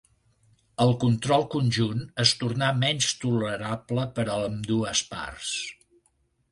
El control conjunt es tornà menys tolerable per a ambdues parts.